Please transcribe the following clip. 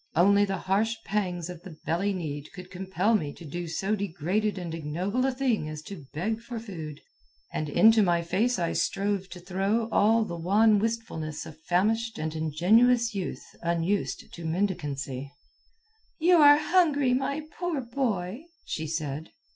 Only the harsh pangs of the belly need could compel me to do so degraded and ignoble a thing as beg for food. And into my face I strove to throw all the wan wistfulness of famished and ingenuous youth unused to mendicancy. "You are hungry, my poor boy," she said.